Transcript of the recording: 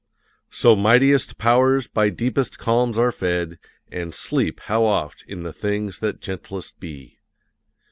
So mightiest powers by deepest calms are fed, And sleep, how oft, in things that gentlest be!